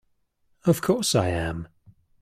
Of course I am!